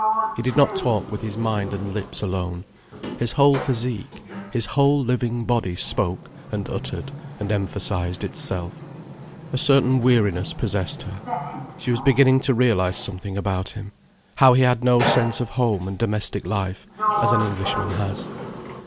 He did not talk with his mind and lips alone. His whole physique, his whole living body spoke and uttered and emphasized itself. A certain weariness possessed her. She was beginning to realize something about him: how he had no sense of home and domestic life, as an Englishman has.